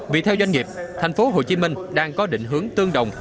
vì theo doanh nghiệp thành phố hồ chí minh đang có định hướng tương đồng